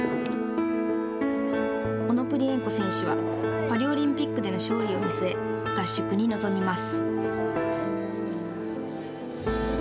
オノプリエンコ選手はパリオリンピックでの勝利を見据え、合宿に臨みます。